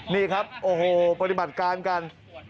นี่ครับโอ้โหปฏิบัติการกัน